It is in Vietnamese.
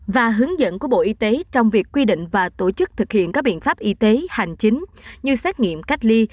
và hướng dẫn của bộ y tế trong việc quy định và tổ chức thực hiện các biện pháp y tế hành chính như xét nghiệm cách ly